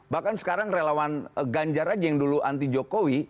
bahkan sekarang relawan ganjar aja yang dulu anti jokowi